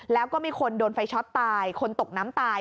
แล้วก็มีคนโดนไฟช็อตตายคนตกน้ำตาย